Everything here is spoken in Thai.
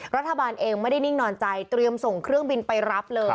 รัฐบาลเองไม่ได้นิ่งนอนใจเตรียมส่งเครื่องบินไปรับเลย